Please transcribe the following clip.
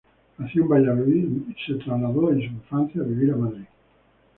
Nació en Valladolid y se trasladó en su infancia a vivir a Madrid.